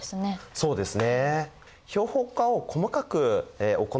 そうですね。